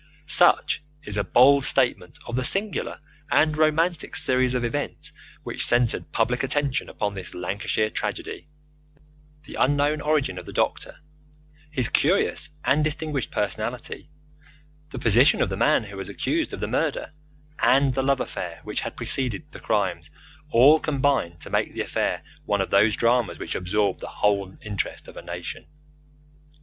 Such is a bald statement of the singular and romantic series of events which centred public attention upon this Lancashire tragedy. The unknown origin of the doctor, his curious and distinguished personality, the position of the man who was accused of the murder, and the love affair which had preceded the crimes all combined to make the affair one of those dramas which absorb the whole interest of a nation.